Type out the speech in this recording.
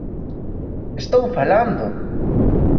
Estou falando.